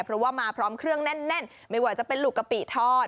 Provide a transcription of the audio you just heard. เพราะว่ามาพร้อมเครื่องแน่นไม่ว่าจะเป็นลูกกะปิทอด